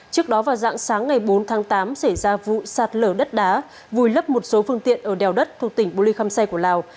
trước đó vào dạng sáng ngày bốn tháng tám xảy ra vụ sạt lở đất đá vùi lấp một số phương tiện ở đèo đất thuộc tỉnh bô lê khâm say của lào